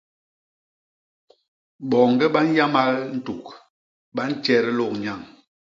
Boñge ba nyamal ntôk, ba ntjet lôk nyañ.